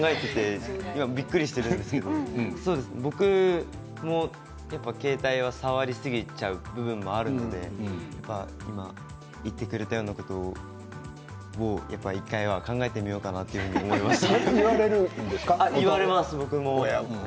僕よりもすごい、みんなが考えていてびっくりしているんですけど僕も携帯は触りすぎちゃう部分もあるので今言ってくれたようなこと１回は考えてみようかなと思いました。